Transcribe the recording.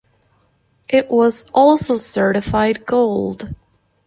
It was also certified gold.